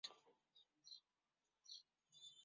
Alan দানিয়ালু-এর মতে লিঙ্গ হচ্ছে প্রতীক।